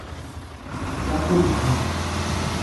Jacuizinho